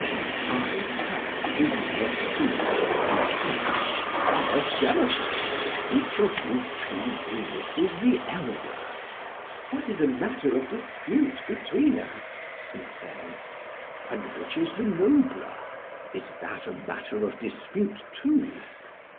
"I turned to Menexenus, and said: 'Son of Demophon, which of you two youths is the elder?' "'That is a matter of dispute between us,' he said. "'And which is the nobler? Is that a matter of dispute too?'